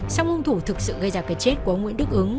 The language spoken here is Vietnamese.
sao ngôn thủ thực sự gây ra cái chết của nguyễn đức ứng